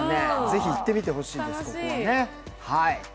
ぜひ行ってみてほしいです、ここは。